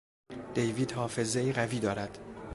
دیوید حافظهای قوی دارد.